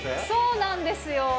そうなんですよ。